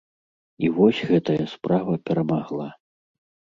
І вось гэтая справа перамагла.